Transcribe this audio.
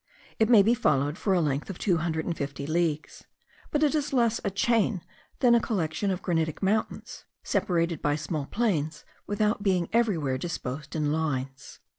It may be followed for a length of two hundred and fifty leagues; but it is less a chain, than a collection of granitic mountains, separated by small plains, without being everywhere disposed in lines.